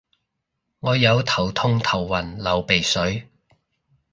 我有頭痛頭暈流鼻水